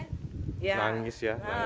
nangis ya pada nangis